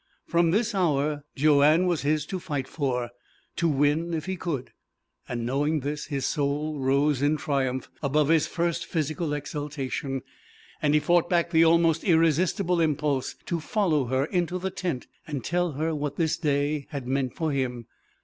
From this hour Joanne was his to fight for, to win if he could; and, knowing this, his soul rose in triumph above his first physical exultation, and he fought back the almost irresistible impulse to follow her into the tent and tell her what this day had meant for him.